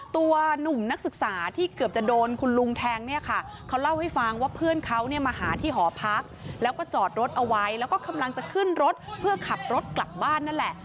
หนุ่มนักศึกษาที่เกือบจะโดนคุณลุงแทงเนี่ยค่ะเขาเล่าให้ฟังว่าเพื่อนเขาเนี่ยมาหาที่หอพักแล้วก็จอดรถเอาไว้แล้วก็กำลังจะขึ้นรถเพื่อขับรถกลับบ้านนั่นแหละ